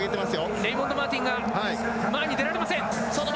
レイモンド・マーティンが前に出られません。